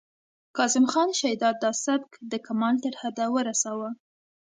کاظم خان شیدا دا سبک د کمال تر حده ورساوه